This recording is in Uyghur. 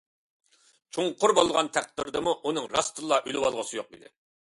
چوڭقۇر بولغان تەقدىردىمۇ ئۇنىڭ راستتىنلا ئۆلۈۋالغۇسى يوق ئىدى.